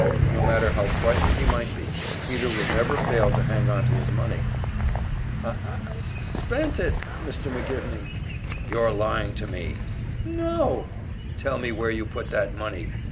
No matter how frightened he might be, Peter would never fail to hang on to his money. "I I s s spent it, Mr. McGivney." "You're lying to me!" "N n no." "Tell me where you put that money!"